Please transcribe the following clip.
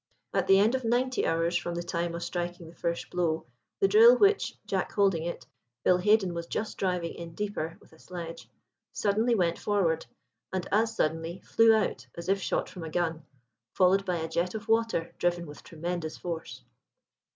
At the end of ninety hours from the time of striking the first blow the drill which, Jack holding it, Bill Haden was just driving in deeper with a sledge, suddenly went forward, and as suddenly flew out as if shot from a gun, followed by a jet of water driven with tremendous force.